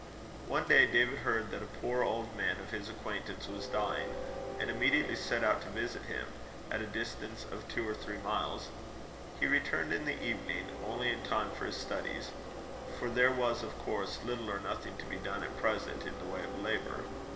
One day, David heard that a poor old man of his acquaintance was dying, and immediately set out to visit him, at a distance of two or three miles. He returned in the evening, only in time for his studies; for there was of course little or nothing to be done at present in the way of labour.